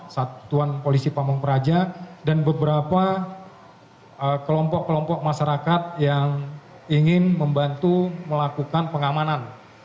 satuan polisi pamung praja dan beberapa kelompok kelompok masyarakat yang ingin membantu melakukan pengamanan